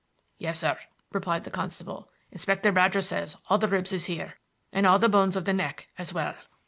"Yes, sir," replied the constable. "Inspector Badger says all the ribs is here, and all the bones of the neck as well."